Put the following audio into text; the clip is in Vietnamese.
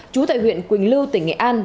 chú tại huyện quỳnh lưu tỉnh nghệ an